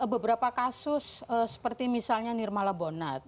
beberapa kasus seperti misalnya nirmala bonat